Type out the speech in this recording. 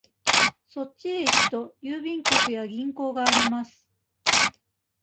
そっちへ行くと、郵便局や銀行があります。